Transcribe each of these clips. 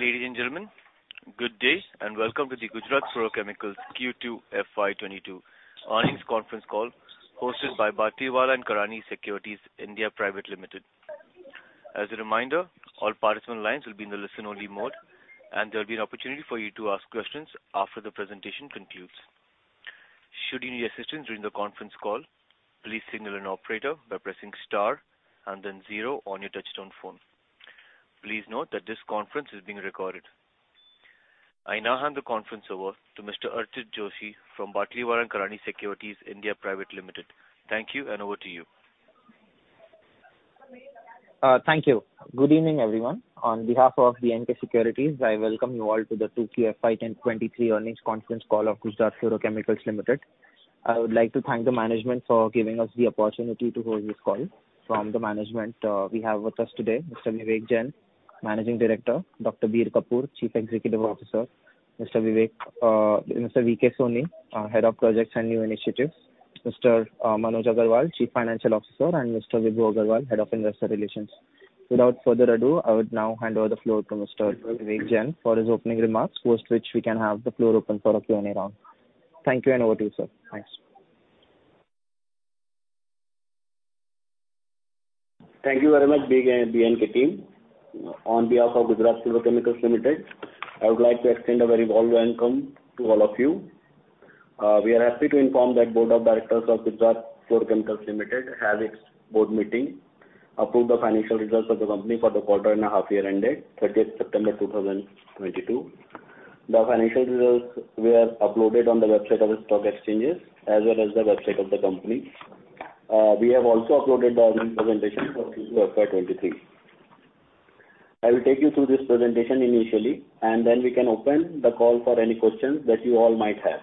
Ladies and gentlemen, good day and welcome to the Gujarat Fluorochemicals Q2 FY23 earnings conference call hosted by Batlivala & Karani Securities India Private Limited. As a reminder, all participant lines will be in the listen-only mode, and there'll be an opportunity for you to ask questions after the presentation concludes. Should you need assistance during the conference call, please signal an operator by pressing star and then zero on your touchtone phone. Please note that this conference is being recorded. I now hand the conference over to Mr. Arpit Joshi from Batlivala & Karani Securities India Private Limited. Thank you, and over to you. Thank you. Good evening, everyone. On behalf of the BNK Securities, I welcome you all to the 2Q FY 2023 earnings conference call of Gujarat Fluorochemicals Limited. I would like to thank the management for giving us the opportunity to hold this call. From the management, we have with us today Mr. Vivek Jain, Managing Director, Dr. Bir Kapoor, Chief Executive Officer, Mr. V.K. Soni, Head of Projects and New Initiatives, Mr. Manoj Agrawal, Chief Financial Officer, and Mr. Vibhu Agarwal, Head of Investor Relations. Without further ado, I would now hand over the floor to Mr. Vivek Jain for his opening remarks, after which we can have the floor open for a Q&A round. Thank you, and over to you, sir. Thanks. Thank you very much, BNK team. On behalf of Gujarat Fluorochemicals Limited, I would like to extend a very warm welcome to all of you. We are happy to inform that Board of Directors of Gujarat Fluorochemicals Limited had its board meeting, approved the financial results of the company for the quarter and half year ended 30th September 2022. The financial results were uploaded on the website of the stock exchanges as well as the website of the company. We have also uploaded the earnings presentation for FY 2023. I will take you through this presentation initially, and then we can open the call for any questions that you all might have.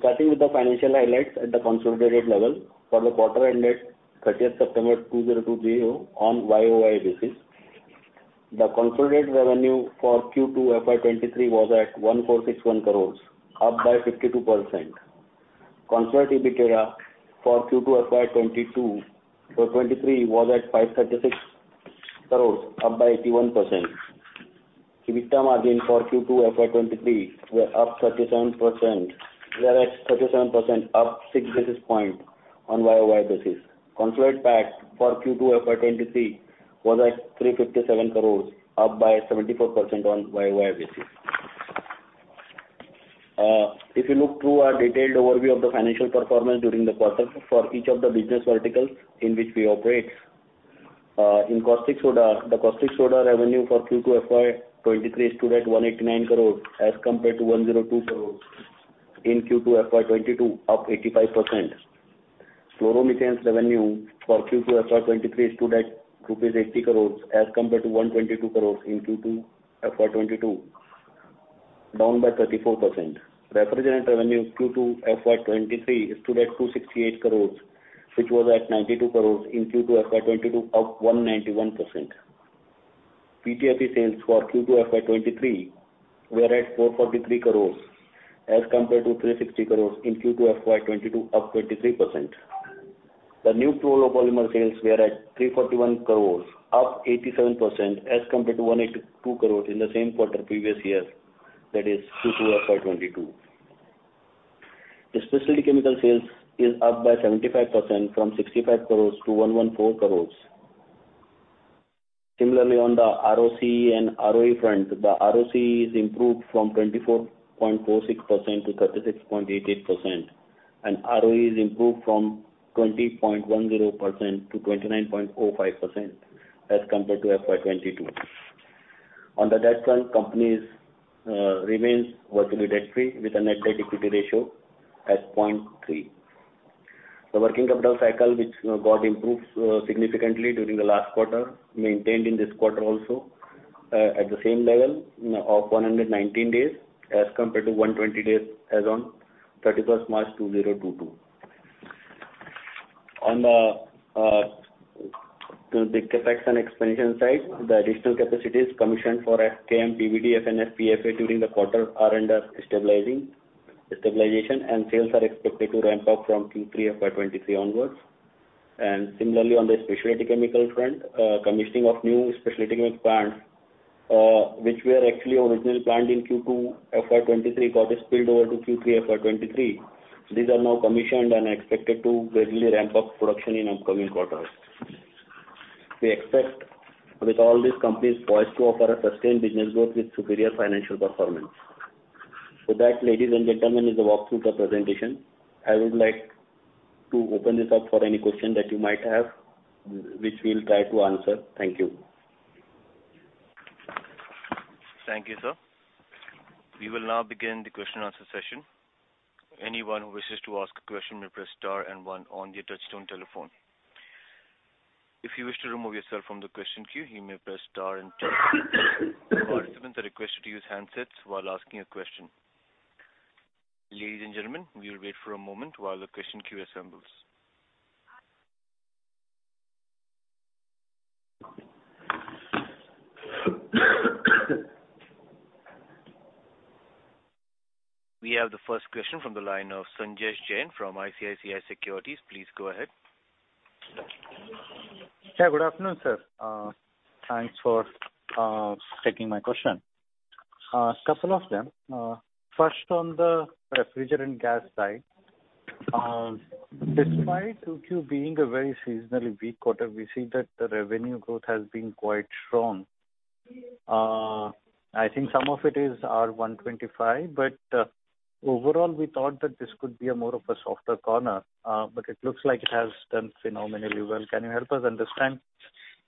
Starting with the financial highlights at the consolidated level for the quarter ended 30th September 2022 on YOY basis. The consolidated revenue for Q2 FY 2023 was at 1,461 crores, up by 52%. Consolidated EBITDA for Q2 FY 2023 was at 536 crores, up by 81%. EBITDA margin for Q2 FY 2023 was 37%, up six basis points on YOY basis. Consolidated PAT for Q2 FY 2023 was at 357 crores, up by 74% on YOY basis. If you look through our detailed overview of the financial performance during the quarter for each of the business verticals in which we operate, in Caustic Soda, the Caustic Soda revenue for Q2 FY 2023 stood at 189 crore as compared to 102 crore in Q2 FY 2022, up 85%. Fluoromethanes revenue for Q2 FY 2023 stood at rupees 80 crores as compared to 122 crores in Q2 FY 2022, down by 34%. Refrigerant revenue Q2 FY 2023 stood at 268 crores, which was at 92 crores in Q2 FY 2022, up 191%. PTFE sales for Q2 FY 2023 were at 443 crores as compared to 360 crores in Q2 FY 2022, up 23%. The new fluoropolymer sales were at 341 crores, up 87% as compared to 182 crore in the same quarter previous year, that is Q2 FY 2022. The specialty chemical sales is up by 75% from 65 crores to 114 crores. Similarly, on the ROCE and ROE front, the ROCE is improved from 24.46% to 36.88%, and ROE is improved from 20.10% to 29.05% as compared to FY 2022. On the debt front, company's remains virtually debt-free with a net debt equity ratio at 0.3. The working capital cycle, which got improved significantly during the last quarter, maintained in this quarter also at the same level, you know, of 119 days as compared to 120 days as on 31st March 2022. On the big CapEx and expansion side, the additional capacities commissioned for FKM, PVDF, FEP, PFA during the quarter are under stabilization, and sales are expected to ramp up from Q3 FY 2023 onwards. Similarly, on the specialty chemical front, commissioning of new specialty chemical plants, which were actually originally planned in Q2 FY 2023, got spilled over to Q3 FY 2023. These are now commissioned and expected to gradually ramp up production in upcoming quarters. We expect with all these companies poised to offer a sustained business growth with superior financial performance. With that, ladies and gentlemen, is the walkthrough of the presentation. I would like to open this up for any question that you might have, which we'll try to answer. Thank you. Thank you, sir. We will now begin the question and answer session. Anyone who wishes to ask a question may press star and one on your touchtone telephone. If you wish to remove yourself from the question queue, you may press star and two. Participants are requested to use handsets while asking a question. Ladies and gentlemen, we will wait for a moment while the question queue assembles. We have the first question from the line of Sanjesh Jain from ICICI Securities. Please go ahead. Yeah, good afternoon, sir. Thanks for taking my question. A couple of them. First, on the refrigerant gas side, despite 2Q being a very seasonally weak quarter, we see that the revenue growth has been quite strong. I think some of it is R-125, but overall, we thought that this could be more of a softer quarter, but it looks like it has done phenomenally well. Can you help us understand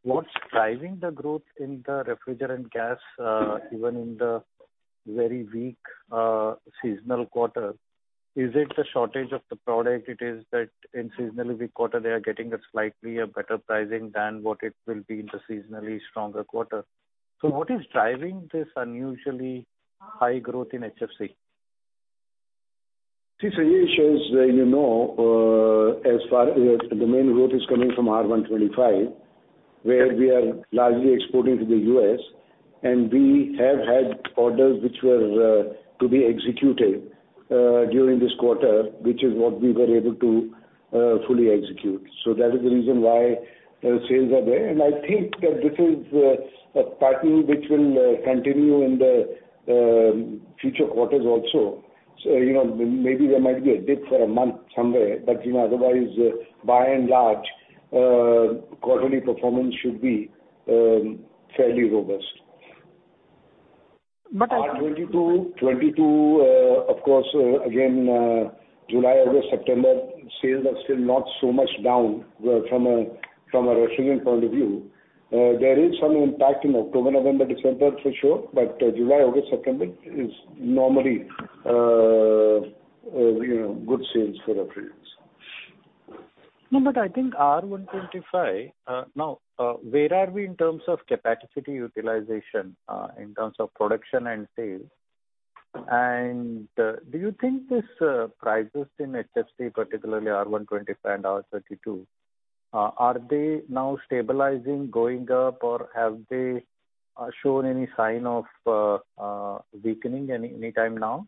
what's driving the growth in the refrigerant gas, even in the very weak seasonal quarter? Is it the shortage of the product? Is it that in seasonally weak quarter, they are getting slightly better pricing than what it will be in the seasonally stronger quarter. What is driving this unusually high growth in HFC? See, Sanjesh, as you know, as far as the main growth is coming from R 125, where we are largely exporting to the U.S., and we have had orders which were, to be executed, during this quarter, which is what we were able to, fully execute. That is the reason why the sales are there. I think that this is, a pattern which will, continue in the, future quarters also. You know, maybe there might be a dip for a month somewhere, but, you know, otherwise, by and large, quarterly performance should be fairly robust. But I- R22, of course, again, July, August, September sales are still not so much down from a seasonal point of view. There is some impact in October, November, December, for sure, but July, August, September is normally, you know, good sales for refrigerants. No, but I think R 125. Now, where are we in terms of capacity utilization in terms of production and sales? Do you think these prices in HFC, particularly R 125 and R 32, are they now stabilizing, going up, or have they shown any sign of weakening at any time now?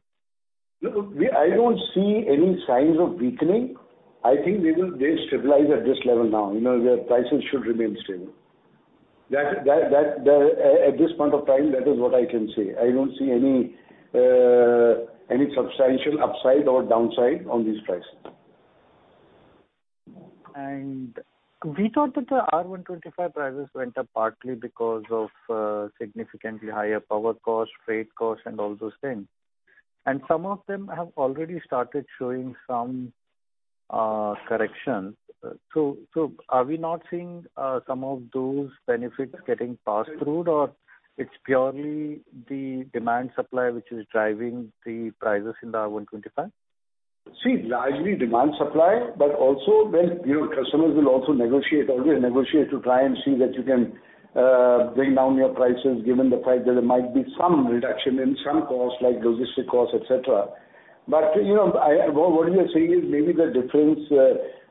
No, I don't see any signs of weakening. I think they will stabilize at this level now. You know, the prices should remain stable. That at this point of time, that is what I can say. I don't see any substantial upside or downside on these prices. We thought that the R 125 prices went up partly because of significantly higher power costs, freight costs, and all those things. Some of them have already started showing some correction. Are we not seeing some of those benefits getting passed through, or it's purely the demand supply which is driving the prices in the R 125? See, largely demand supply, but also then, you know, customers will also negotiate, always negotiate to try and see that you can bring down your prices given the fact that there might be some reduction in some costs, like logistic costs, et cetera. You know, what you're saying is maybe the difference,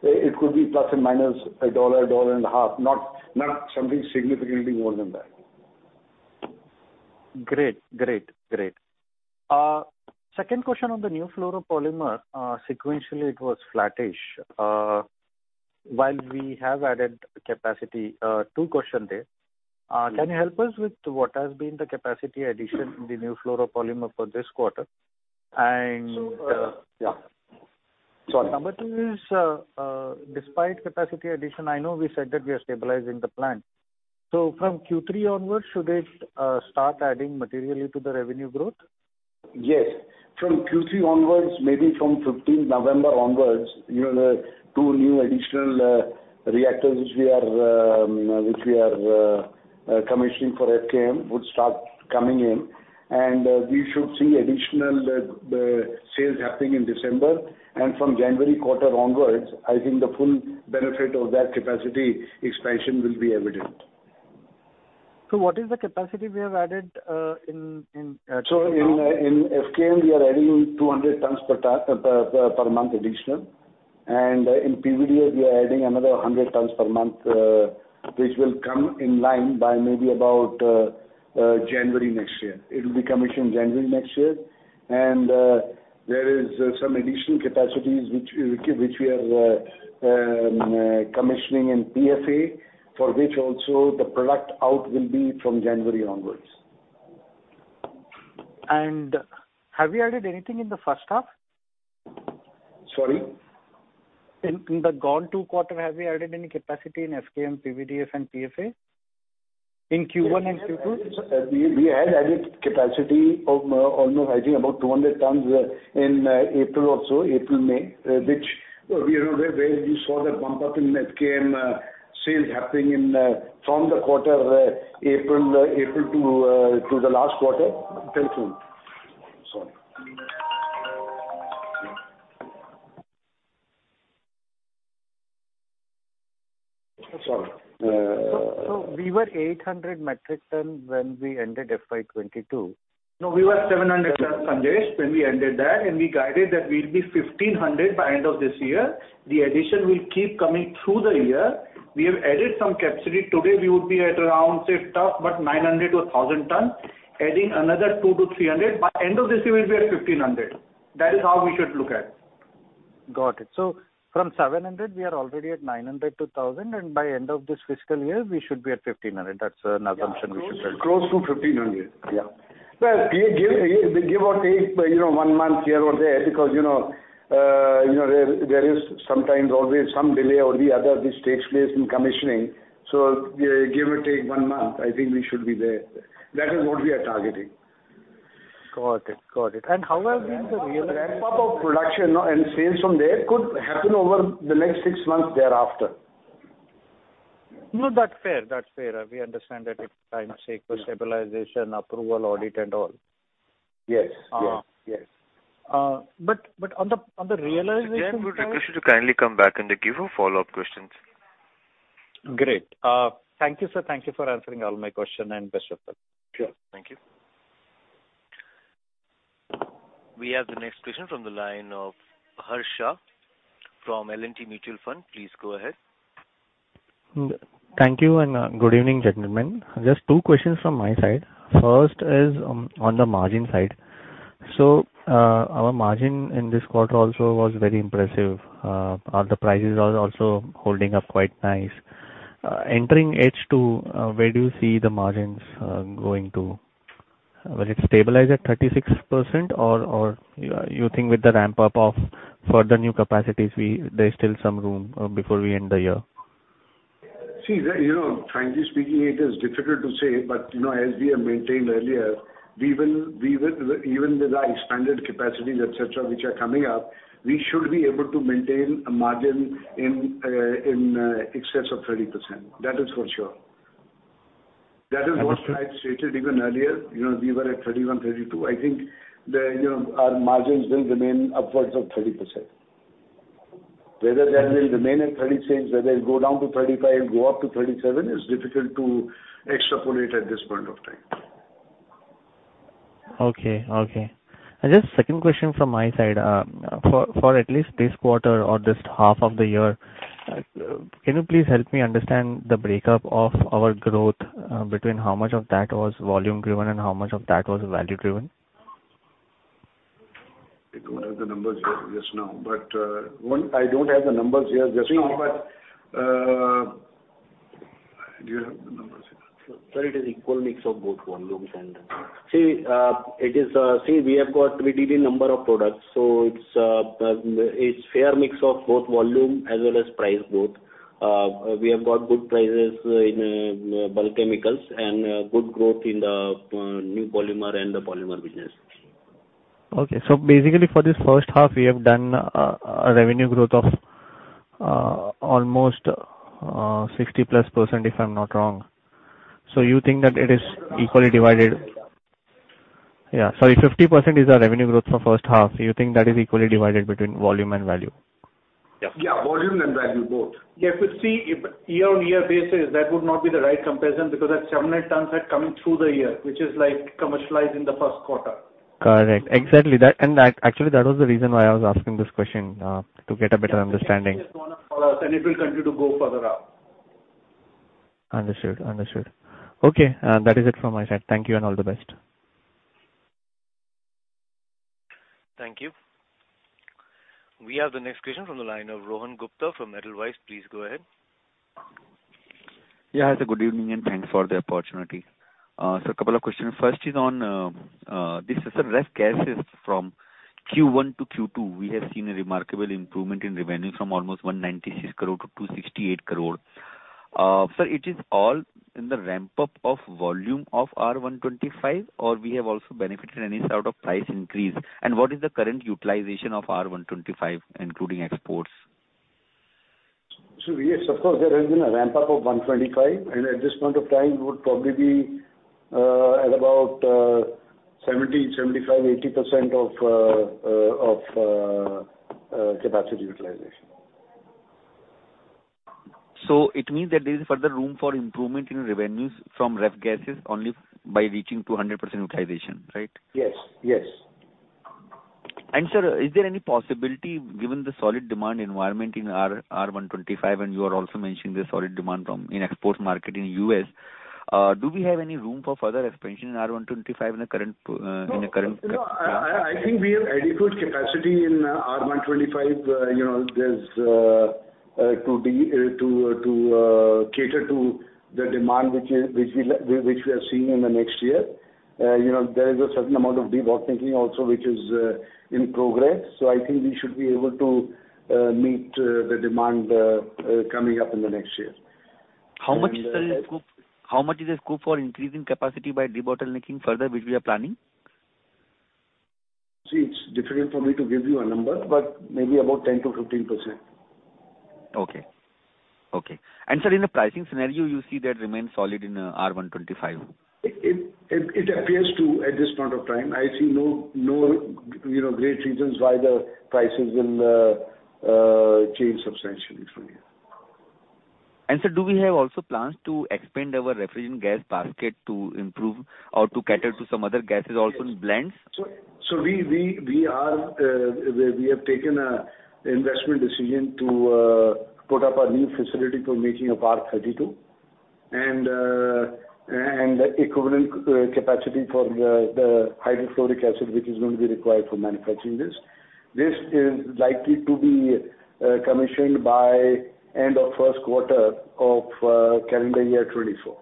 it could be ±$1, $1.50, not something significantly more than that. Great. Second question on the new fluoropolymer. Sequentially, it was flattish. While we have added capacity, two questions there. Can you help us with what has been the capacity addition in the new fluoropolymer for this quarter? Yeah. Sorry. Number two is, despite capacity addition, I know we said that we are stabilizing the plant. From Q3 onwards, should it start adding materially to the revenue growth? Yes. From Q3 onwards, maybe from fifteenth November onwards, you know, the two new additional reactors which we are commissioning for FKM would start coming in, and we should see additional sales happening in December. From January quarter onwards, I think the full benefit of that capacity expansion will be evident. What is the capacity we have added in? In FKM we are adding 200 tons per month additional. In PVDF we are adding another 100 tons per month, which will come in line by maybe about January next year. It will be commissioned January next year. There is some additional capacities which we are commissioning in PFA, for which also the product out will be from January onwards. Have you added anything in the first half? Sorry? In the last two quarters, have you added any capacity in FKM, PVDF and PFA? In Q1 and Q2. We had added capacity of almost, I think, about 200 tons in April also, April, May, which you know where you saw that bump up in FKM sales happening from the quarter April to the last quarter. ten ton. Sorry. We were 800 metric tons when we ended FY 2022. No, we were 700 tons, Sanjesh, when we ended that, and we guided that we'll be 1,500 by end of this year. The addition will keep coming through the year. We have added some capacity. Today, we would be at around, say, roughly about 900 or 1,000 tons, adding another 200-300. By end of this year we'll be at 1,500. That is how we should look at it. Got it. From 700, we are already at 900-1,000, and by end of this fiscal year, we should be at 1,500. That's an assumption we should take. Yeah. Close to 1,500. Yeah. Well, give or take, you know, one month here or there, because, you know, there is sometimes always some delay or the other which takes place in commissioning. So give or take one month, I think we should be there. That is what we are targeting. Got it. How have been the real- The ramp up of production and sales from there could happen over the next six months thereafter. No, that's fair. That's fair. We understand that it takes time, say, for stabilization, approval, audit and all. Yes. Yes. Yes. On the realization side. Sir, we request you to kindly come back in the queue for follow up questions. Great. Thank you, sir. Thank you for answering all my questions and best of luck. Sure. Thank you. We have the next question from the line of Harsha from L&T Mutual Fund. Please go ahead. Thank you and good evening, gentlemen. Just two questions from my side. First is on the margin side. Our margin in this quarter also was very impressive. All the prices are also holding up quite nice. Entering H2, where do you see the margins going to? Will it stabilize at 36% or you think with the ramp up of further new capacities, there's still some room before we end the year? See, you know, frankly speaking, it is difficult to say. You know, as we have maintained earlier, we will even with our expanded capacities, etc., which are coming up, we should be able to maintain a margin in excess of 30%. That is for sure. Understood. That is what I had stated even earlier. You know, we were at 31%-32%. I think the, you know, our margins will remain upwards of 30%. Whether that will remain at 36%, whether it go down to 35%, go up to 37%, it's difficult to extrapolate at this point of time. Okay. Just second question from my side. For at least this quarter or this half of the year, can you please help me understand the breakup of our growth, between how much of that was volume driven and how much of that was value driven? I don't have the numbers here just now, but do you have the numbers? Sir, it is equal mix of both volumes and we have got relatively number of products. It's fair mix of both volume as well as price growth. We have got good prices in bulk chemicals and good growth in the new polymer and the polymer business. Okay. Basically for this first half we have done a revenue growth of almost 60+%, if I'm not wrong. You think that it is equally divided? Yeah. Sorry, 50% is our revenue growth for first half. You think that is equally divided between volume and value? Yeah. Yeah, volume and value both. Yeah, if you see year-on-year basis, that would not be the right comparison because that 700 tons are coming through the year, which is like commercialized in the first quarter. Correct. Exactly. Actually, that was the reason why I was asking this question to get a better understanding. It's a trend that's gonna follow us, and it will continue to go further up. Understood. Okay, that is it from my side. Thank you and all the best. Thank you. We have the next question from the line of Rohan Gupta from Edelweiss. Please go ahead. Yeah. Hi sir. Good evening, and thanks for the opportunity. A couple of questions. First is on the ref gases from Q1 to Q2. We have seen a remarkable improvement in revenue from almost 196 crore to 268 crore. It is all in the ramp-up of volume of R125 or we have also benefited any sort of price increase. What is the current utilization of R125, including exports? Yes, of course, there has been a ramp-up of 125 and at this point of time it would probably be at about 70, 75, 80% of capacity utilization. It means that there is further room for improvement in revenues from ref gases only by reaching 200% utilization, right? Yes. Yes. Sir, is there any possibility, given the solid demand environment in R125, and you are also mentioning the solid demand from the export market in U.S., do we have any room for further expansion in R125 in the current? No, I think we have adequate capacity in R125, you know, to cater to the demand which we are seeing in the next year. You know, there is a certain amount of debottlenecking also which is in progress. I think we should be able to meet the demand coming up in the next year. How much is the scope for increasing capacity by debottlenecking further which we are planning? See, it's difficult for me to give you a number, but maybe about 10%-15%. Okay. Sir, in the pricing scenario, you see that remains solid in R125? It appears to at this point of time. I see no, you know, great reasons why the prices will change substantially from here. Sir, do we have also plans to expand our refrigerant gas basket to improve or to cater to some other gases also in blends? We have taken an investment decision to put up a new facility for making of R32 and equivalent capacity for the hydrofluoric acid, which is going to be required for manufacturing this. This is likely to be commissioned by end of first quarter of calendar year 2024.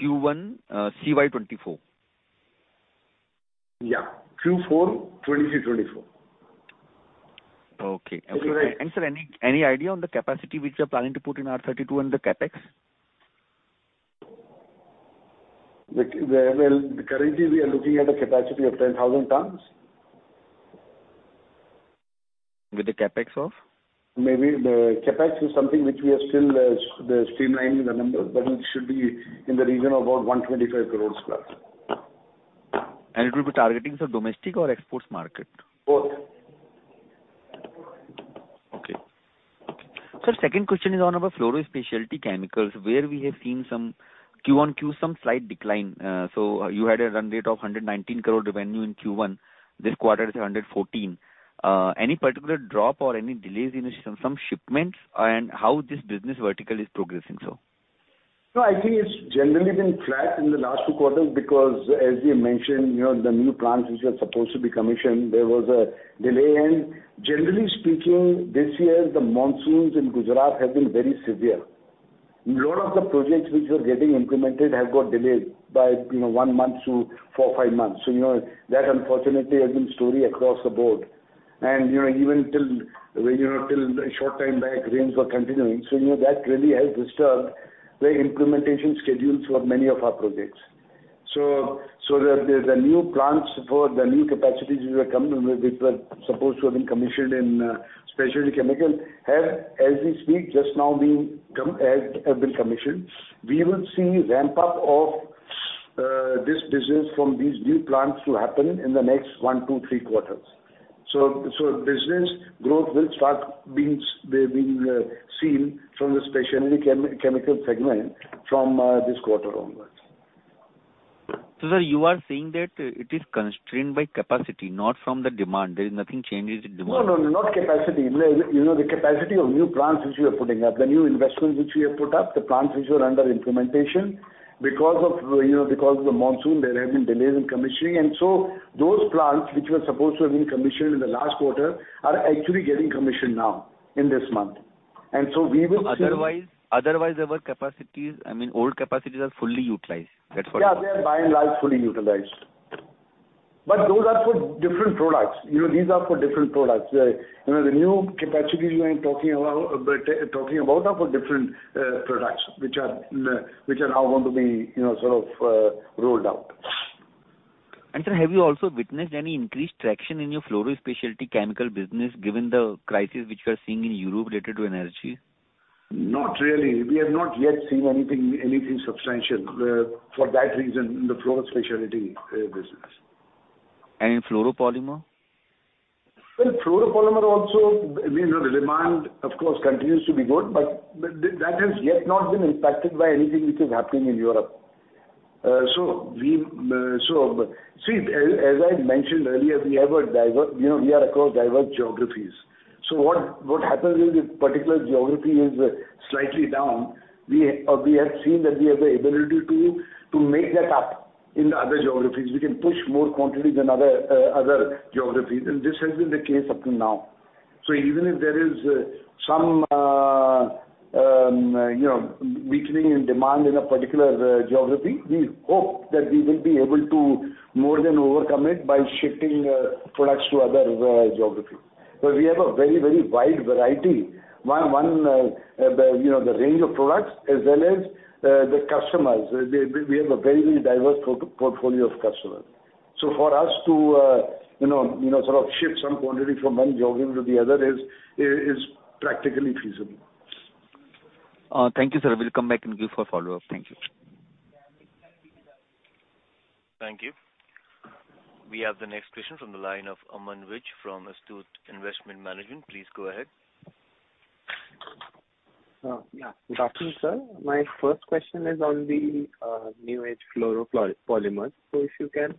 Q1, CY 2024. Yeah. Q4 2023-2024. Okay. Is it right? Sir, any idea on the capacity which you're planning to put in R-32 and the CapEx? Well, currently we are looking at a capacity of 10,000 tons. With the CapEx of? Maybe the CapEx is something which we are still streamlining the numbers, but it should be in the region of about 125 crores+. It will be targeting, sir, domestic or export market? Both. Sir, second question is on our fluoro specialty chemicals, where we have seen some slight decline. You had a run rate of 119 crore revenue in Q1. This quarter is 114. Any particular drop or any delays in some shipments, and how this business vertical is progressing? No, I think it's generally been flat in the last two quarters because, as you mentioned, you know, the new plants which are supposed to be commissioned, there was a delay. Generally speaking, this year, the monsoons in Gujarat have been very severe. A lot of the projects which were getting implemented have got delayed by, you know, one month to four or five months. That unfortunately has been story across the board. Even till a short time back, rains were continuing. That really has disturbed the implementation schedules for many of our projects. The new plants for the new capacities which are coming, which were supposed to have been commissioned in specialty chemical have, as we speak, just now been commissioned. We will see ramp up of this business from these new plants to happen in the next 1-3 quarters. Business growth will start being seen from the specialty chemical segment from this quarter onwards. sir, you are saying that it is constrained by capacity, not from the demand. There is nothing changed in demand. No, no, not capacity. You know, the capacity of new plants which we are putting up, the new investments which we have put up, the plants which were under implementation, because of, you know, because of the monsoon, there have been delays in commissioning. Those plants which were supposed to have been commissioned in the last quarter are actually getting commissioned now in this month. We will see. Otherwise, our capacities, I mean, old capacities are fully utilized. That's what. Yeah, they are by and large fully utilized. Those are for different products. You know, these are for different products. You know, the new capacities we've been talking about are for different products which are now going to be, you know, sort of rolled out. Sir, have you also witnessed any increased traction in your fluoro specialty chemical business given the crisis which you are seeing in Europe related to energy? Not really. We have not yet seen anything substantial for that reason in the fluoro specialty business. In fluoropolymer? Well, fluoropolymer also, I mean, the demand of course continues to be good, but that has yet not been impacted by anything which is happening in Europe. As I mentioned earlier, we have a diverse, you know, we are across diverse geographies. What happens is if particular geography is slightly down, we have seen that we have the ability to make that up in the other geographies. We can push more quantities in other geographies, and this has been the case up to now. Even if there is some you know, weakening in demand in a particular geography, we hope that we will be able to more than overcome it by shifting products to other geography. But we have a very wide variety. One, you know, the range of products as well as the customers. We have a very diverse portfolio of customers. For us to you know sort of shift some quantity from one geography to the other is practically feasible. Thank you, sir. Will come back and give for follow-up. Thank you. Thank you. We have the next question from the line of Aman Vij from Astute Investment Management. Please go ahead. Yeah. Good afternoon, sir. My first question is on the new age fluoropolymers. If you can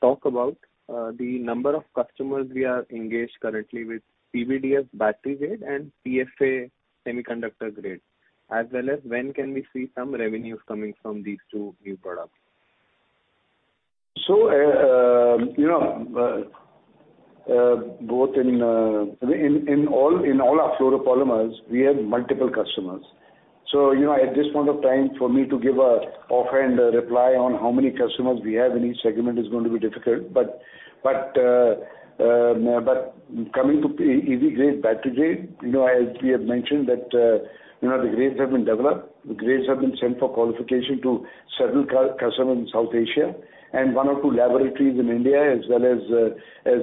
talk about the number of customers we are engaged currently with PVDF battery grade and PFA semiconductor grade, as well as when can we see some revenues coming from these two new products? You know, both in all our fluoropolymers, we have multiple customers. You know, at this point of time, for me to give an offhand reply on how many customers we have in each segment is going to be difficult. Coming to EV grade, battery grade, you know, as we have mentioned that, you know, the grades have been developed, the grades have been sent for qualification to certain customers in South Asia and one or two laboratories in India as well as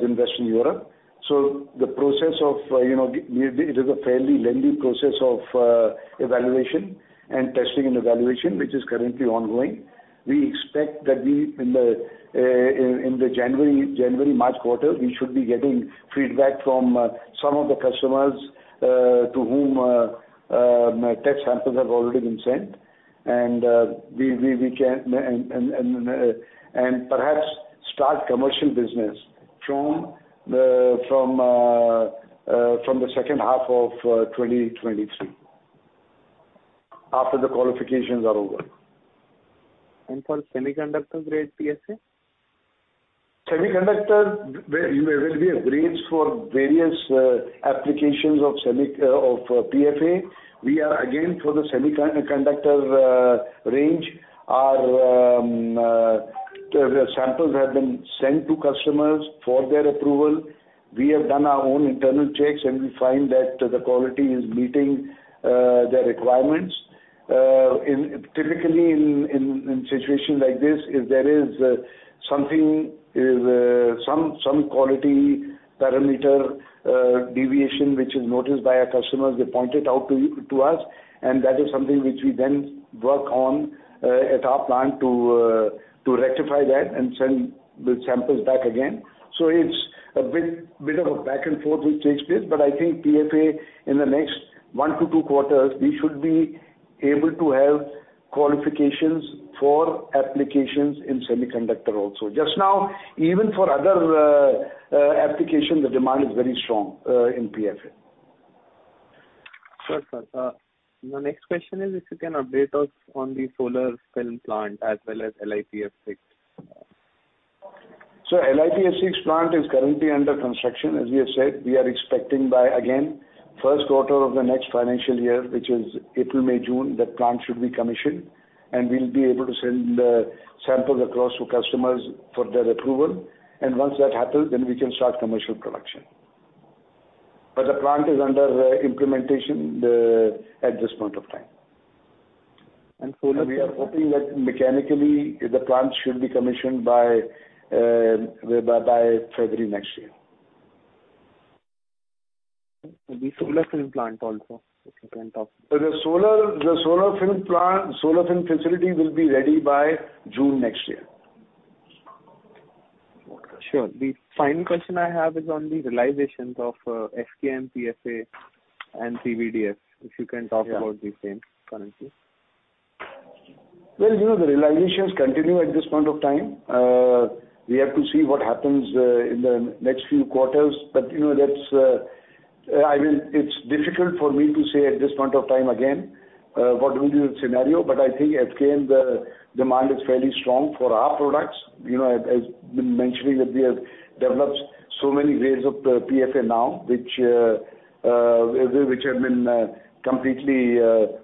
in Western Europe. The process of, you know, it is a fairly lengthy process of evaluation and testing and evaluation, which is currently ongoing. We expect that in the January-March quarter, we should be getting feedback from some of the customers to whom test samples have already been sent. We can perhaps start commercial business from the second half of 2023, after the qualifications are over. For semiconductor grade PFA? Semiconductor, there will be a range for various applications of PFA. We are again for the semiconductor range. Our samples have been sent to customers for their approval. We have done our own internal checks, and we find that the quality is meeting their requirements. Typically in situations like this, if there is some quality parameter deviation which is noticed by our customers, they point it out to us. That is something which we then work on at our plant to rectify that and send the samples back again. It's a bit of a back and forth which takes place. I think PFA in the next 1-2 quarters, we should be able to have qualifications for applications in semiconductor also. Just now, even for other applications, the demand is very strong in PFA. Sure, sir. My next question is if you can update us on the solar film plant as well as LiPF6. LiPF6 plant is currently under construction. As we have said, we are expecting by, again, first quarter of the next financial year, which is April, May, June, that plant should be commissioned, and we'll be able to send samples across to customers for their approval. Once that happens, then we can start commercial production. The plant is under implementation at this point of time. Solar film? We are hoping that mechanically the plant should be commissioned by February next year. The solar film plant also, if you can talk about. The solar film facility will be ready by June next year. Sure. The final question I have is on the realizations of FKM, PFA and PVDF, if you can talk about the same currently? Well, you know, the realizations continue at this point of time. We have to see what happens in the next few quarters. You know, that's, I mean, it's difficult for me to say at this point of time again, what will be the scenario. I think at FKM the demand is fairly strong for our products. You know, I've been mentioning that we have developed so many grades of the PFA now, which have been completely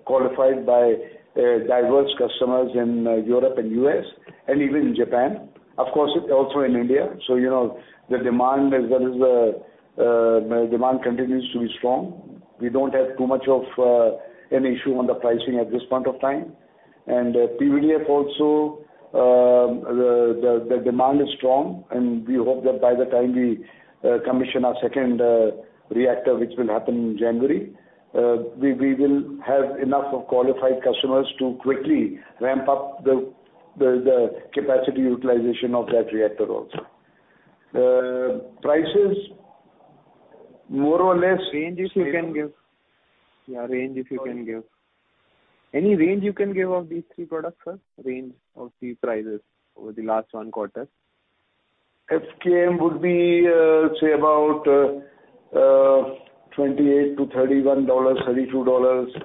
qualified by diverse customers in Europe and U.S. and even in Japan, of course, also in India. You know, the demand is, that is, demand continues to be strong. We don't have too much of an issue on the pricing at this point of time. PVDF also, the demand is strong, and we hope that by the time we commission our second reactor, which will happen in January, we will have enough qualified customers to quickly ramp up the capacity utilization of that reactor also. Prices more or less. Any range you can give of these three products, sir? Range of these prices over the last one quarter. FKM would be, say about, $28-$31, $32.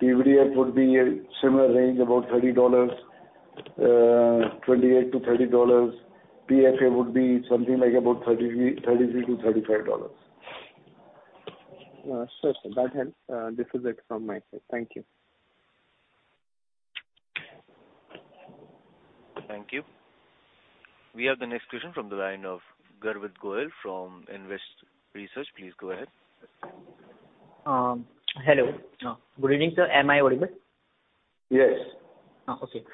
PVDF would be a similar range, about $30, $28-$30. PFA would be something like about $33, $33-$35. Sure, sir. That helps. This is it from my side. Thank you. Thank you. We have the next question from the line of Garvit Goel from InvesQ Research. Please go ahead. Hello. Good evening, sir. Am I audible? Yes. Okay.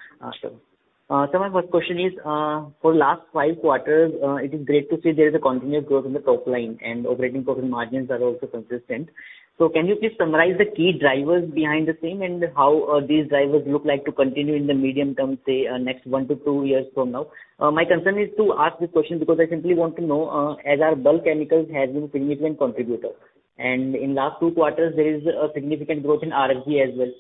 Awesome. My first question is, for last 5 quarters, it is great to see there is a continuous growth in the top line and operating profit margins are also consistent. Can you please summarize the key drivers behind the same and how these drivers look like to continue in the medium term, say, next 1-2 years from now? My concern is to ask this question because I simply want to know, as our bulk chemicals has been significant contributor, and in last 2 quarters there is a significant growth in ref gas as well.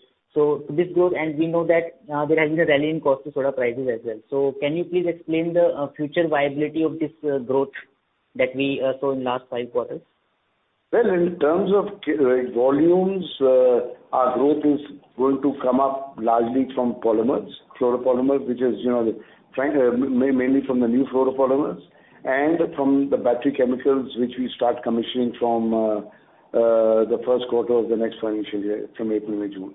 This growth, and we know that, there has been a rally in caustic soda prices as well. Can you please explain the future viability of this growth that we saw in last 5 quarters? Well, in terms of volumes, our growth is going to come up largely from polymers, fluoropolymers, which is, you know, mainly from the new fluoropolymers and from the battery chemicals, which we start commissioning from the first quarter of the next financial year from April, May, June.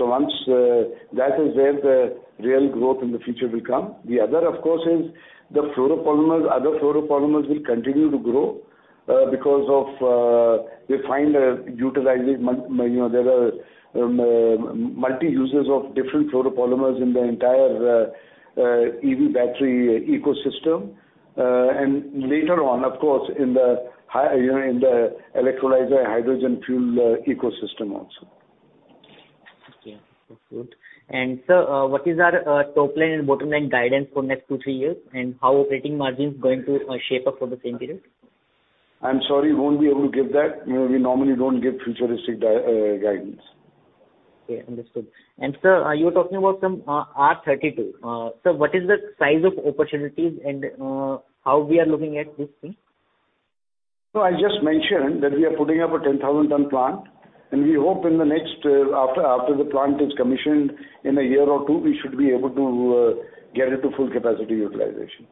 Once that is where the real growth in the future will come. The other, of course, is the fluoropolymers. Other fluoropolymers will continue to grow because they find utilization, you know, there are multiple uses of different fluoropolymers in the entire EV battery ecosystem. Later on, of course, you know, in the electrolyzer hydrogen fuel ecosystem also. Okay, that's good. Sir, what is our top line and bottom line guidance for next 2-3 years? How operating margins going to shape up for the same period? I'm sorry, won't be able to give that. You know, we normally don't give futuristic guidance. Okay, understood. Sir, you were talking about some R32. What is the size of opportunities and how we are looking at this thing? No, I just mentioned that we are putting up a 10,000-ton plant, and we hope in the next, after the plant is commissioned, in a year or two, we should be able to get it to full capacity utilization.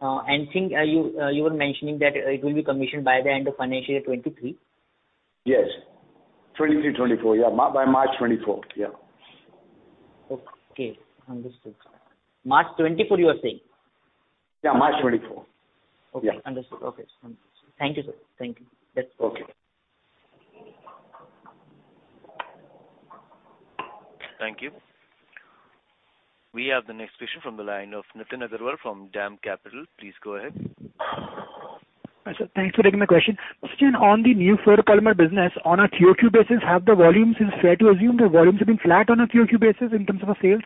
You were mentioning that it will be commissioned by the end of financial 2023. Yes. 2023-2024. Yeah. Maybe by March 2024. Yeah. Okay. Understood. March 2024, you are saying? Yeah, March 2024. Okay. Yeah. Understood. Okay. Understood. Thank you, sir. Thank you. That's all. Okay. Thank you. We have the next question from the line of Nitin Agarwal from DAM Capital. Please go ahead. Hi, sir. Thanks for taking my question. Just on the new fluoropolymer business, on a QOQ basis, is it fair to assume the volumes have been flat on a QOQ basis in terms of our sales?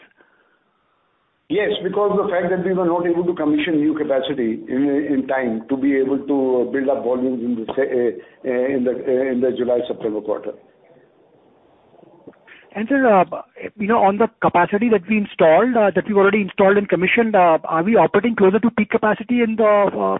Yes, because the fact that we were not able to commission new capacity in time to be able to build up volumes in the July-September quarter. Sir, you know, on the capacity that we've already installed and commissioned, are we operating closer to peak capacity in those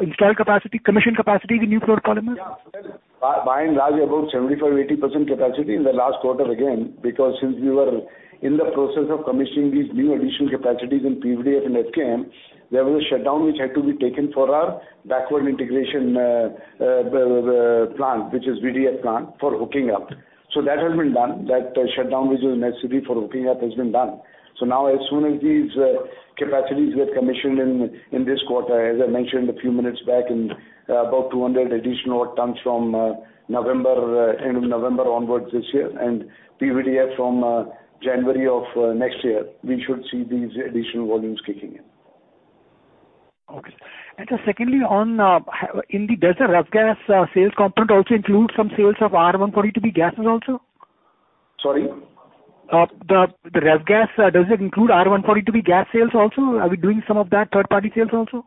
installed capacity, commissioned capacity, the new fluoropolymers? Yeah. By and large, above 75%-80% capacity in the last quarter again, because since we were in the process of commissioning these new additional capacities in PVDF and FKM, there was a shutdown which had to be taken for our backward integration plant, which is VDF plant, for hooking up. That has been done. That shutdown which was necessary for hooking up has been done. Now as soon as these capacities get commissioned in this quarter, as I mentioned a few minutes back, in about 200 additional tons from end of November onwards this year, and PVDF from January of next year, we should see these additional volumes kicking in. Okay. Sir, secondly on, does the ref gas sales component also include some sales of R-142b gases also? Sorry? The ref gas, does it include R-142b gas sales also? Are we doing some of that third-party sales also?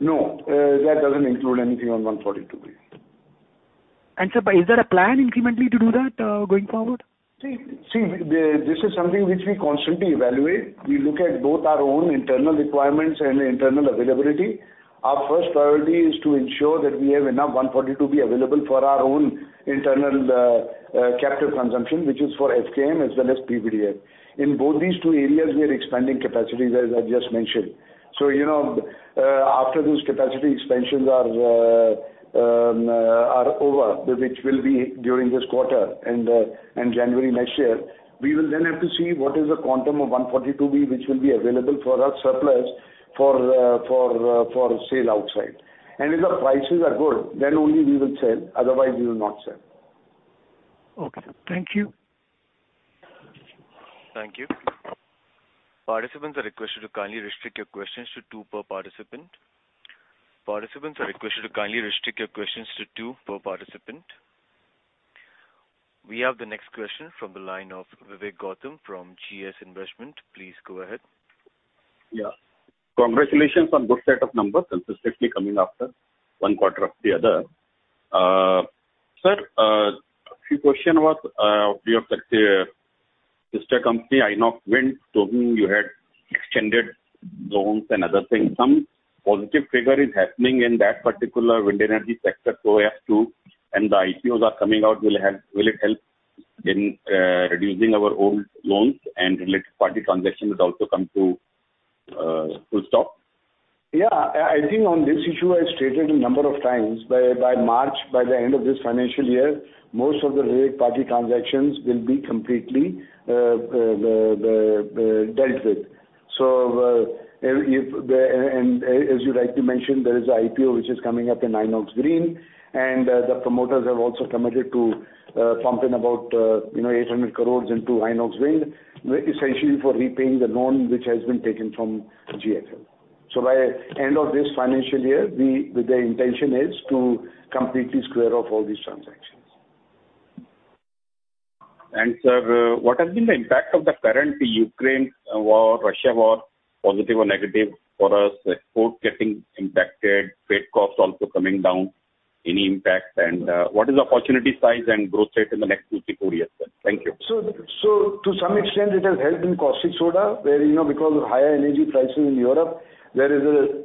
No, that doesn't include anything on R-142b. Sir, is there a plan incrementally to do that, going forward? See, this is something which we constantly evaluate. We look at both our own internal requirements and internal availability. Our first priority is to ensure that we have enough R-142b available for our own internal capital consumption, which is for FKM as well as PVDF. In both these two areas, we are expanding capacity, as I just mentioned. You know, after those capacity expansions are over, which will be during this quarter and January next year, we will then have to see what is the quantum of R-142b which will be available for our surplus for sale outside. If the prices are good, then only we will sell. Otherwise, we will not sell. Okay. Thank you. Thank you. Participants are requested to kindly restrict your questions to two per participant. We have the next question from the line of Vivek Gautam from GS Investments. Please go ahead. Yeah. Congratulations on good set of numbers consistently coming after one quarter after the other. Sir, a few question was, your sister company, Inox Wind, told me you had extended loans and other things. Some positive figure is happening in that particular wind energy sector so as to and the IPOs are coming out will help, will it help in reducing our old loans and related party transactions would also come to full stop? Yeah. I think on this issue, I stated a number of times, by March, by the end of this financial year, most of the related party transactions will be completely dealt with. And as you rightly mentioned, there is an IPO which is coming up in Inox Green, and the promoters have also committed to something about, you know, 800 crore into Inox Wind, essentially for repaying the loan which has been taken from GFL. By end of this financial year, the intention is to completely square off all these transactions. Sir, what has been the impact of the current Ukraine war, Russia war, positive or negative for us? Export getting impacted, freight costs also coming down, any impact? What is the opportunity size and growth rate in the next two, three, four years, sir? Thank you. To some extent, it has helped in caustic soda where, because of higher energy prices in Europe, there is an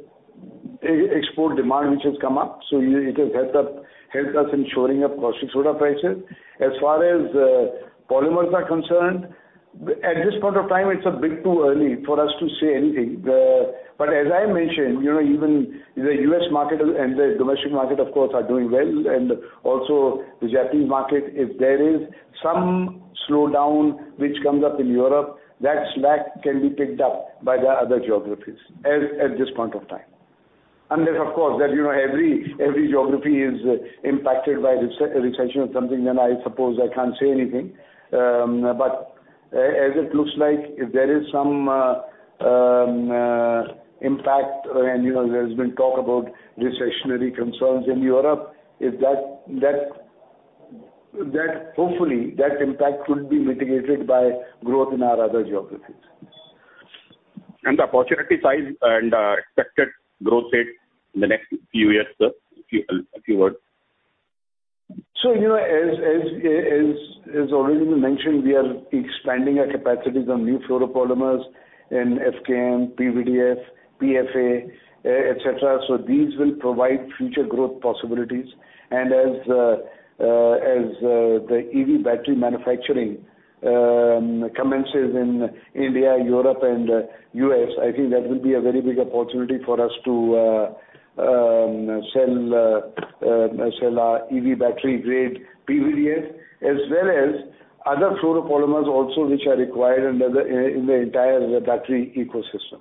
export demand which has come up. It has helped us in shoring up caustic soda prices. As far as polymers are concerned, at this point of time, it's a bit too early for us to say anything. As I mentioned, even the U.S. market and the domestic market, of course, are doing well, and also the Japanese market. If there is some slowdown which comes up in Europe, that slack can be picked up by the other geographies at this point of time. Unless, of course, every geography is impacted by a recession or something, then I suppose I can't say anything. As it looks like, if there is some impact and, you know, there's been talk about recessionary concerns in Europe, if that hopefully that impact could be mitigated by growth in our other geographies. The opportunity size and expected growth rate in the next few years, sir, if you have a few words. you know, as already been mentioned, we are expanding our capacities on new fluoropolymers in FKM, PVDF, PFA, et cetera. These will provide future growth possibilities. As the EV battery manufacturing commences in India, Europe and U.S., I think that will be a very big opportunity for us to sell our EV battery grade PVDF, as well as other fluoropolymers also which are required in the entire battery ecosystem.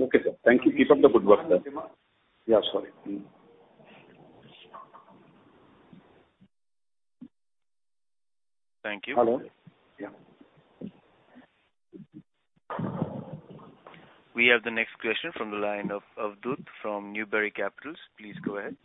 Okay, sir. Thank you. Keep up the good work, sir. Yeah, sorry. Thank you. Hello? Yeah. We have the next question from the line of Dhruv from Newbury Capital. Please go ahead.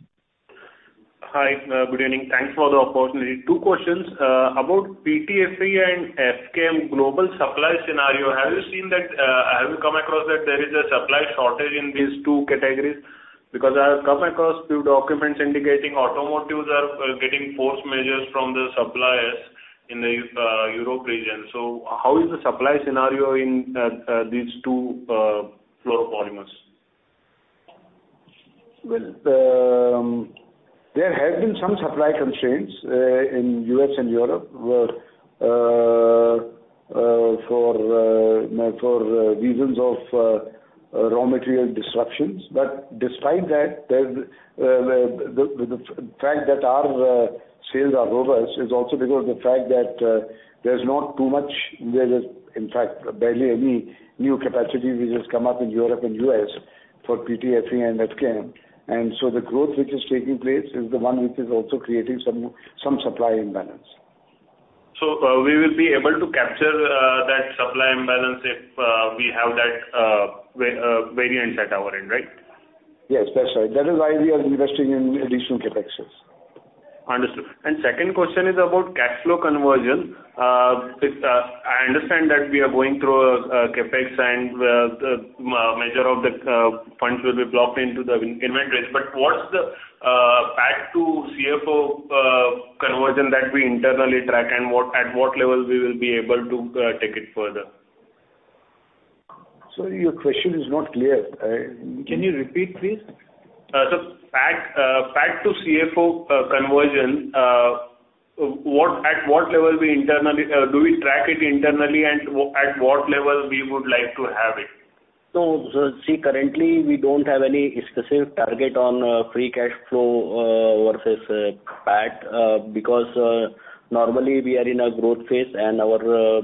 Hi, good evening. Thanks for the opportunity. Two questions. About PTFE and FKM global supply scenario, have you seen that, have you come across that there is a supply shortage in these two categories? Because I have come across two documents indicating automotive are getting force majeure from the suppliers in the Europe region. How is the supply scenario in these two fluoropolymers? There have been some supply constraints in U.S. and Europe for reasons of raw material disruptions. Despite that, the fact that our sales are robust is also because of the fact that there's not too much, in fact, barely any new capacity which has come up in Europe and U.S. for PTFE and FKM. The growth which is taking place is the one which is also creating some supply imbalance. We will be able to capture that supply imbalance if we have that variance at our end, right? Yes, that's right. That is why we are investing in additional CapExes. Understood. Second question is about cash flow conversion. I understand that we are going through CapEx and the measure of the funds will be blocked into the inventories. What's the PAT to CFO conversion that we internally track, and at what level we will be able to take it further? Sorry, your question is not clear. Can you repeat, please? PAT to CFO conversion, at what level do we track it internally and at what level we would like to have it? sir, see, currently we don't have any specific target on free cash flow versus PAT because normally we are in a growth phase and our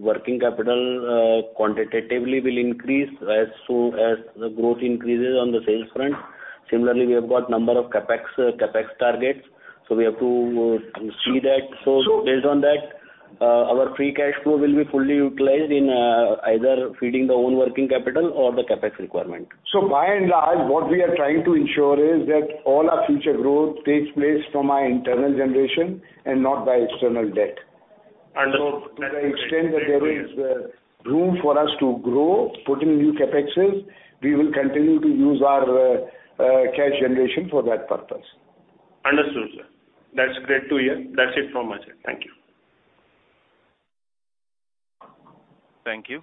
working capital quantitatively will increase as soon as the growth increases on the sales front. Similarly, we have got number of CapEx targets. We have to see that. So- Based on that, our free cash flow will be fully utilized in either feeding the own working capital or the CapEx requirement. By and large, what we are trying to ensure is that all our future growth takes place from our internal generation and not by external debt. Understood. That's great. To the extent that there is room for us to grow, put in new CapExes, we will continue to use our cash generation for that purpose. Understood, sir. That's great to hear. That's it from my side. Thank you. Thank you.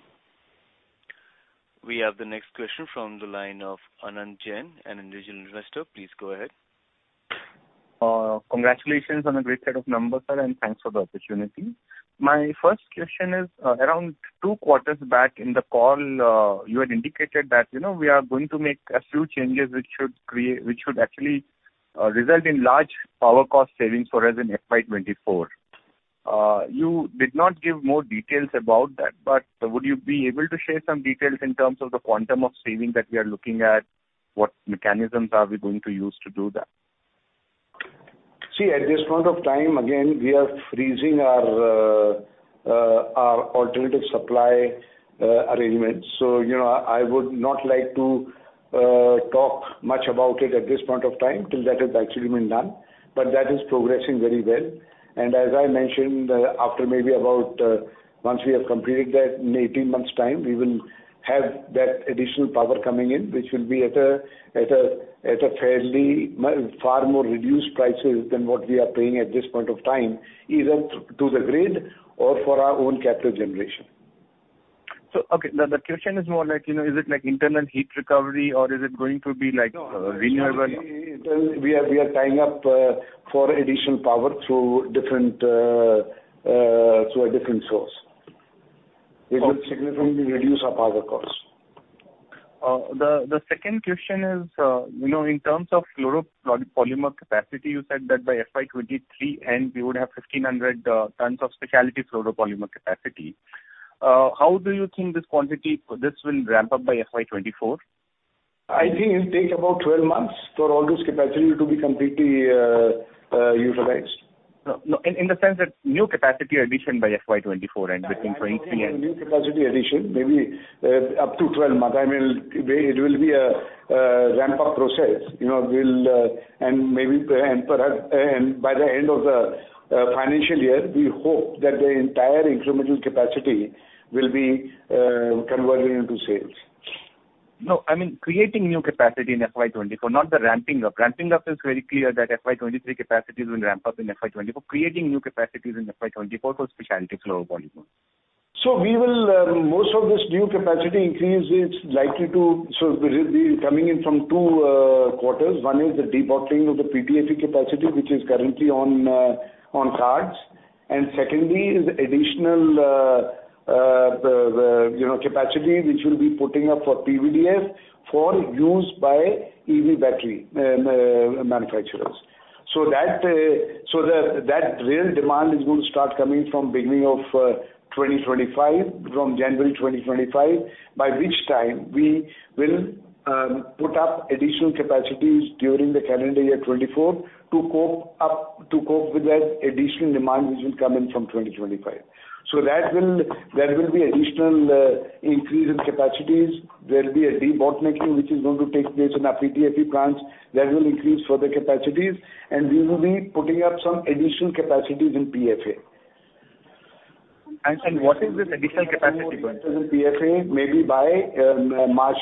We have the next question from the line of Anand Jain, an individual investor. Please go ahead. Congratulations on a great set of numbers, sir, and thanks for the opportunity. My first question is, around two quarters back in the call, you had indicated that, you know, we are going to make a few changes which should actually result in large power cost savings for us in FY 2024. You did not give more details about that, but would you be able to share some details in terms of the quantum of saving that we are looking at? What mechanisms are we going to use to do that? See, at this point of time, again, we are freezing our alternative supply arrangements. You know, I would not like to talk much about it at this point of time till that has actually been done. That is progressing very well. As I mentioned, after maybe about, once we have completed that in 18 months' time, we will have that additional power coming in, which will be at a fairly far more reduced prices than what we are paying at this point of time, either to the grid or for our own captive generation. Okay. The question is more like, you know, is it like internal heat recovery or is it going to be like renewable? No, I think we are tying up for additional power through a different source. Okay. It will significantly reduce our power costs. The second question is, you know, in terms of fluoropolymer capacity, you said that by FY 2023 end, we would have 1,500 tons of specialty fluoropolymer capacity. How do you think this will ramp up by FY 2024? I think it'll take about 12 months for all those capacity to be completely utilized. No. In the sense that new capacity addition by FY24 and between 20- I'm talking of new capacity addition, maybe, up to 12 months. I mean, it will be a ramp-up process. You know, we'll. Maybe, perhaps, by the end of the financial year, we hope that the entire incremental capacity will be converting into sales. No, I mean, creating new capacity in FY 2024, not the ramping up. Ramping up is very clear that FY 2023 capacities will ramp up in FY 2024. Creating new capacities in FY 2024 for specialty fluoropolymers. Most of this new capacity increase is likely to come in from two quarters. One is the debottlenecking of the PTFE capacity, which is currently on cards. Secondly is additional, the you know capacity which we'll be putting up for PVDF for use by EV battery manufacturers. That real demand is going to start coming from beginning of 2025, from January 2025, by which time we will put up additional capacities during the calendar year 2024 to cope with that additional demand which will come in from 2025. There will be additional increase in capacities. There'll be a debottlenecking which is going to take place in our PTFE plants. That will increase further capacities, and we will be putting up some additional capacities in PFA. What is this additional capacity going to be? In PFA, maybe by March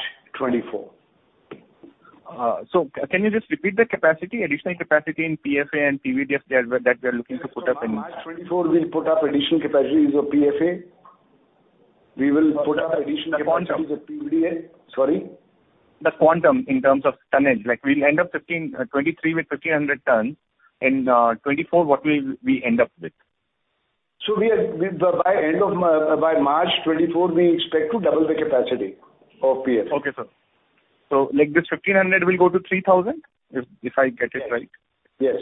2024. Can you just repeat the capacity, additional capacity in PFA and PVDF that we're looking to put up in- By March 2024 we'll put up additional capacities of PFA. We will put up additional capacities of PVDF. Sorry? The quantum in terms of tonnage. Like, we'll end up 2015, 2023 with 1,500 tons. In 2024, what will we end up with? We by end of March 2024 expect to double the capacity of PFA. Okay, sir. Like this 1500 will go to 3000, if I get it right? Yes.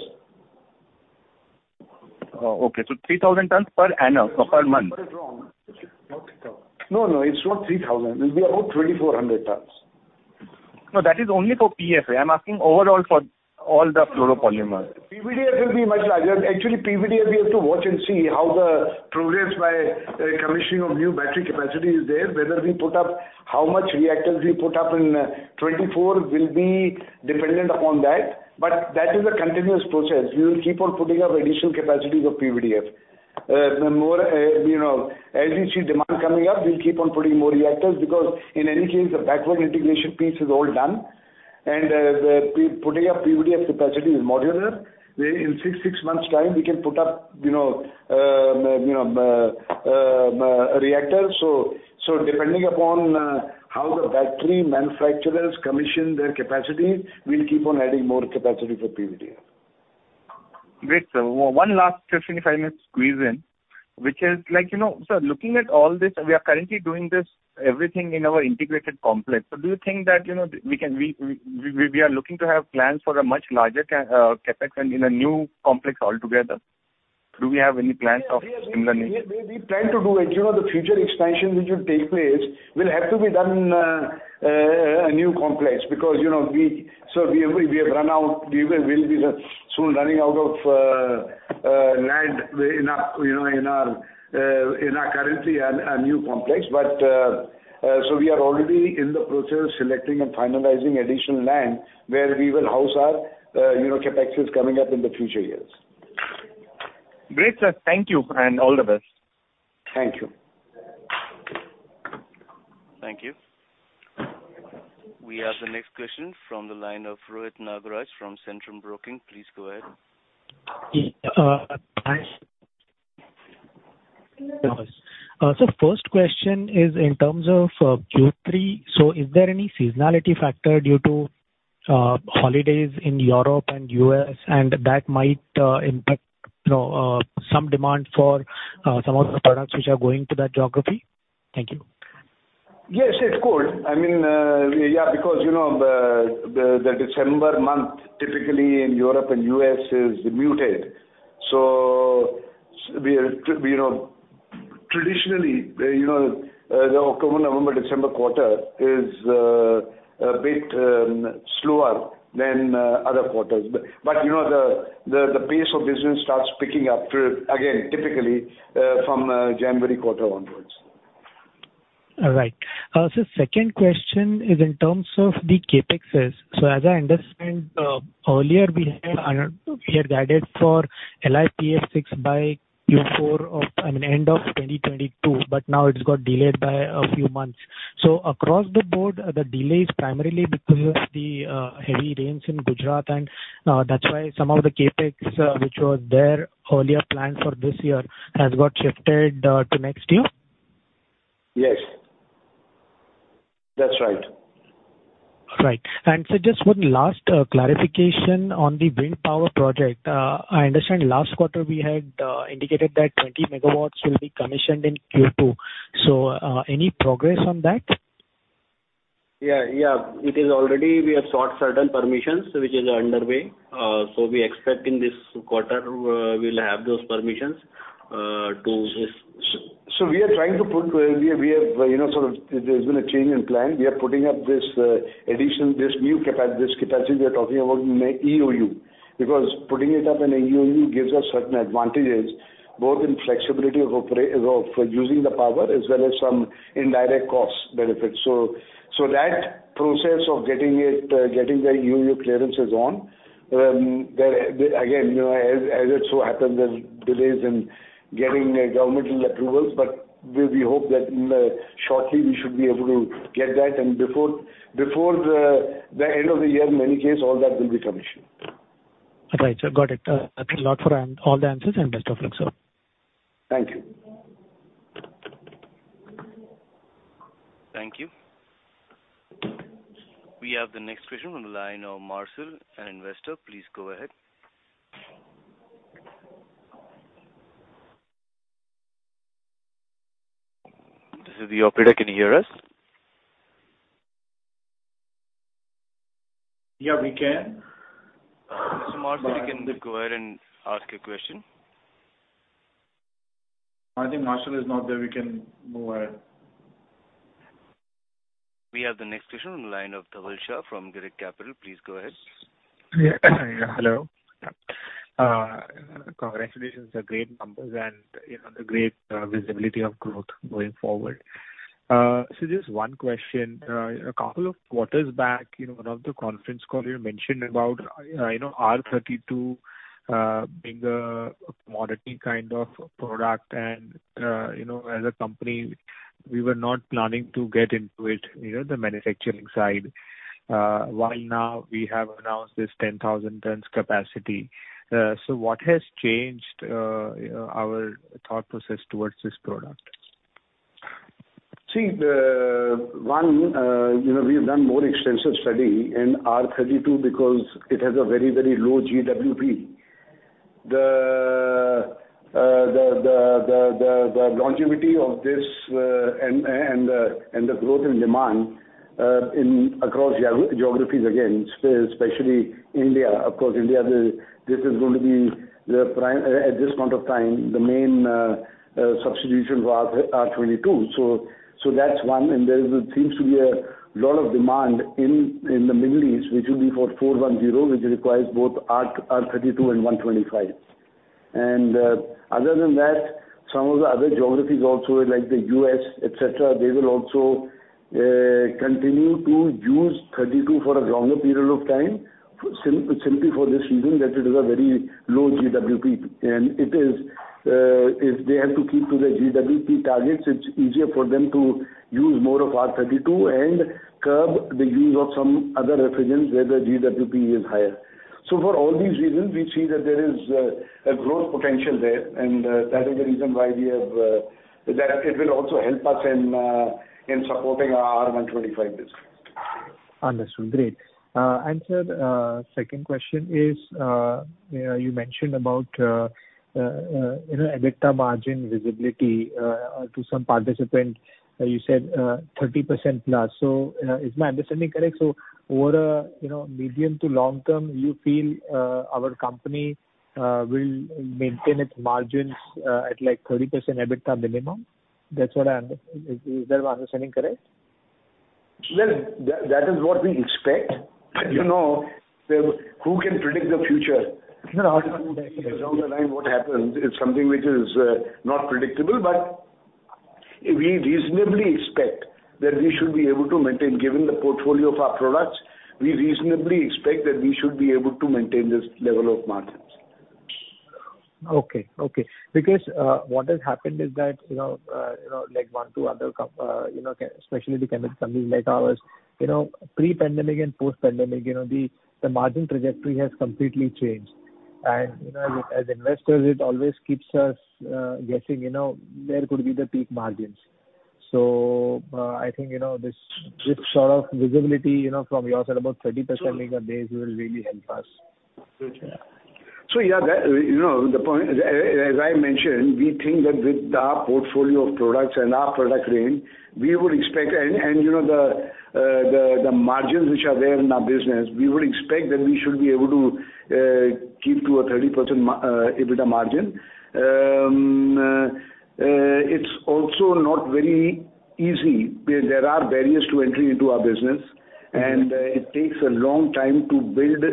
Oh, okay. 3,000 tons per annum or per month? No, no, it's not 3,000. It'll be about 2,400 tons. No, that is only for PFA. I'm asking overall for all the fluoropolymers. PVDF will be much larger. Actually, PVDF we have to watch and see how the progress by commissioning of new battery capacity is there. Whether we put up, how much reactors we put up in 2024 will be dependent upon that. That is a continuous process. We will keep on putting up additional capacities of PVDF. The more, you know, as we see demand coming up, we'll keep on putting more reactors because in any case, the backward integration piece is all done. The putting up PVDF capacity is modular. We, in six months' time we can put up, you know, a reactor. Depending upon how the battery manufacturers commission their capacity, we'll keep on adding more capacity for PVDF. Great, sir. One last just minute squeeze in, which is like, you know, sir, looking at all this, we are currently doing this, everything in our integrated complex. Do you think that, you know, we are looking to have plans for a much larger CapEx and in a new complex altogether. Do we have any plans of similar nature? We plan to do it. You know, the future expansion which will take place will have to be done in a new complex because, you know, we will be soon running out of land in our, you know, in our current new complex. We are already in the process of selecting and finalizing additional land where we will house our, you know, CapExes coming up in the future years. Great, sir. Thank you and all the best. Thank you. Thank you. We have the next question from the line of Rohit Nagaraj from Centrum Broking. Please go ahead. Yeah. Hi. Sir, first question is in terms of Q3. So is there any seasonality factor due to holidays in Europe and US and that might impact, you know, some demand for some of the products which are going to that geography? Thank you. Yes, it could. I mean, yeah, because you know, the December month typically in Europe and U.S. is muted. We are, you know, traditionally, you know, the October, November, December quarter is a bit slower than other quarters. You know, the pace of business starts picking up till again typically from January quarter onwards. All right. Sir, second question is in terms of the CapExes. As I understand, earlier we had guided for LiPF6 by Q4 of, I mean, end of 2022, but now it's got delayed by a few months. Across the board, are the delays primarily because of the heavy rains in Gujarat and that's why some of the CapEx which was there earlier planned for this year has got shifted to next year? Yes. That's right. All right. Sir, just one last clarification on the wind power project. I understand last quarter we had indicated that 20 megawatts will be commissioned in Q2. Any progress on that? Yeah, yeah. We have already sought certain permissions which are underway. We expect in this quarter we'll have those permissions. We are trying to put, we have you know sort of there's been a change in plan. We are putting up this addition, this new capacity we are talking about in an EOU, because putting it up in an EOU gives us certain advantages, both in flexibility of using the power as well as some indirect cost benefits. That process of getting the EOU clearance is on. There again, you know, as it so happens, there are delays in getting the governmental approvals, but we hope that shortly we should be able to get that. Before the end of the year, in any case, all that will be commissioned. All right, sir. Got it. Thank you a lot for all the answers and best of luck, sir. Thank you. Thank you. We have the next question on the line of Mihir, an investor. Please go ahead. This is the operator. Can you hear us? Yeah, we can. Mihir, you can go ahead and ask a question. I think Mihir is not there. We can move ahead. We have the next question on the line of Dhaval Shah from Girik Capital. Please go ahead. Yeah. Hello. Congratulations on the great numbers and, you know, the great visibility of growth going forward. Just one question. A couple of quarters back, you know, one of the conference call you mentioned about, you know, R32 being a commodity kind of product and, you know, as a company we were not planning to get into it, you know, the manufacturing side. While now we have announced this 10,000 tons capacity. What has changed, you know, our thought process towards this product? See the one, you know, we have done more extensive study in R32 because it has a very, very low GWP. The longevity of this and the growth in demand across geographies, again, especially India. Of course, India, this is going to be, at this point of time, the main substitution for R22. That's one. There is, it seems to be a lot of demand in the Middle East, which will be for R-410A, which requires both R32 and R125. Other than that, some of the other geographies also like the U.S., et cetera, they will also continue to use R32 for a longer period of time, simply for this reason that it is a very low GWP. It is if they have to keep to the GWP targets, it's easier for them to use more of R32 and curb the use of some other refrigerants where the GWP is higher. For all these reasons, we see that there is a growth potential there, and that is the reason why we have that it will also help us in in supporting our R125 business. Understood. Great. And sir, second question is, you know, you mentioned about, you know, EBITDA margin visibility to some participant. You said, 30% plus. So, is my understanding correct? So over, you know, medium to long term, you feel, our company will maintain its margins at like 30% EBITDA minimum? Is that understanding correct? Well, that is what we expect. You know, who can predict the future? No, absolutely. Down the line, what happens is something which is not predictable. We reasonably expect that we should be able to maintain this level of margins, given the portfolio of our products. Okay. Because what has happened is that, you know, you know, like one, two other, you know, especially the chemical companies like ours, you know, pre-pandemic and post pandemic, you know, the margin trajectory has completely changed. You know, as investors, it always keeps us guessing, you know, where could be the peak margins. I think, you know, this sort of visibility, you know, from your side about 30% EBITDA base will really help us. Yeah, that, you know, the point, as I mentioned, we think that with our portfolio of products and our product range, we would expect and, you know, the margins which are there in our business, we would expect that we should be able to keep to a 30% EBITDA margin. It's also not very easy. There are barriers to entry into our business, and it takes a long time to build,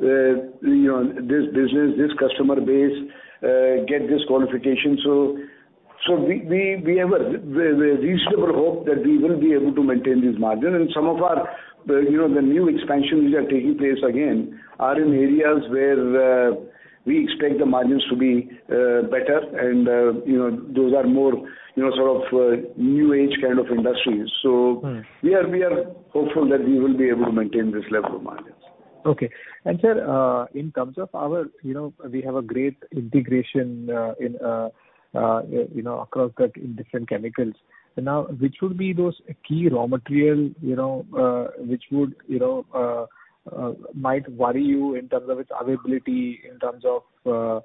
you know, this business, this customer base, get this qualification. We have a reasonable hope that we will be able to maintain this margin. Some of our, you know, the new expansions which are taking place again are in areas where we expect the margins to be better. You know, those are more, you know, sort of, new age kind of industries. Mm-hmm. We are hopeful that we will be able to maintain this level of margins. Okay. Sir, in terms of our, you know, we have a great integration, you know, across different chemicals. Now, which would be those key raw material, you know, might worry you in terms of its availability, in terms of,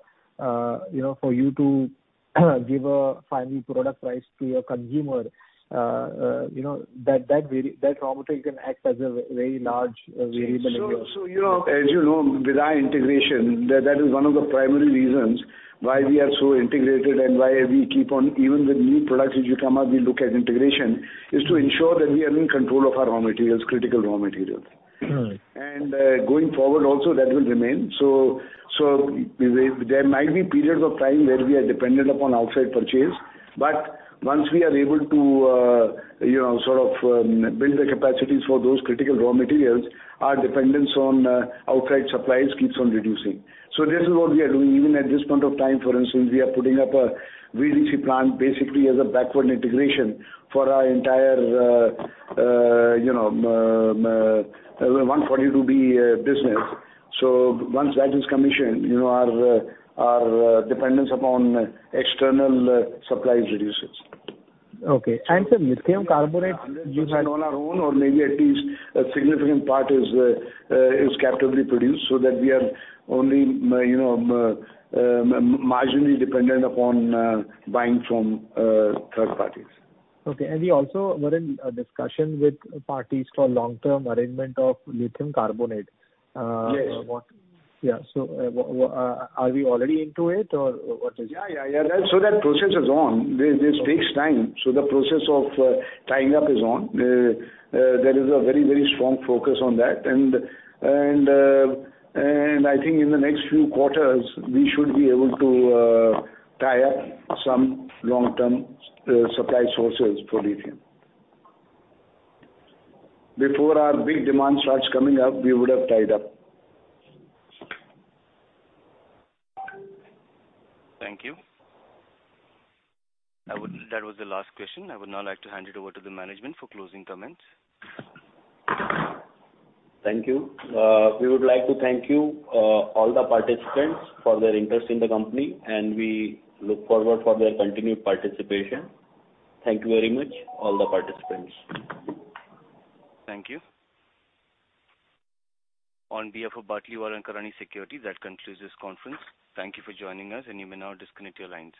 you know, for you to give a final product price to your consumer. You know, that raw material can act as a very large variable input. you know, as you know, with our integration, that is one of the primary reasons why we are so integrated and why we keep on even with new products which come up, we look at integration, is to ensure that we are in control of our raw materials, critical raw materials. All right. Going forward also that will remain. So there might be periods of time where we are dependent upon outside purchase. But once we are able to, you know, sort of, build the capacities for those critical raw materials, our dependence on, outside supplies keeps on reducing. So this is what we are doing even at this point of time. For instance, we are putting up a VDC plant basically as a backward integration for our entire, you know, R-142b, business. So once that is commissioned, you know, our dependence upon external supplies reduces. Okay. Sir, lithium carbonate. On our own or maybe at least a significant part is captively produced so that we are only, you know, marginally dependent upon buying from third parties. Okay. We also were in a discussion with parties for long term arrangement of lithium carbonate. Yes. Yeah. Are we already into it or what is it? Yeah. That process is on. This takes time. The process of tying up is on. There is a very strong focus on that. I think in the next few quarters, we should be able to tie up some long term supply sources for lithium. Before our big demand starts coming up, we would have tied up. Thank you. That was the last question. I would now like to hand it over to the management for closing comments. Thank you. We would like to thank you, all the participants for their interest in the company, and we look forward for their continued participation. Thank you very much, all the participants. Thank you. On behalf of Batlivala and Karani Securities, that concludes this conference. Thank you for joining us, and you may now disconnect your lines.